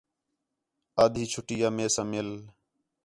آدھی چُھٹی آ مئے ساں مِل